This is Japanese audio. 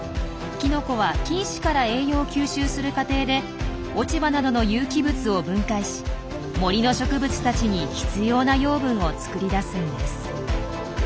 キノコは菌糸から栄養を吸収する過程で落ち葉などの有機物を分解し森の植物たちに必要な養分を作り出すんです。